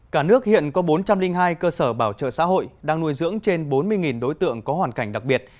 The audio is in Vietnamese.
cả nước hiện có bốn trăm linh hai cơ sở bảo trợ xã hội đang nuôi dưỡng trên bốn mươi đối tượng có hoàn cảnh đặc biệt